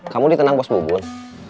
kamu ditenang bos bubun